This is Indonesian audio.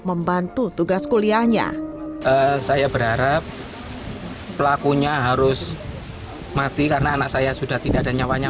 membantu tugas kuliahnya saya berharap pelakunya harus mati karena anak saya sudah tidak ada nyawanya